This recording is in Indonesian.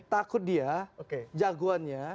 takut dia jagoannya